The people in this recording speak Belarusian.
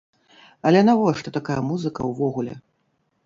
Але навошта такая музыка ўвогуле?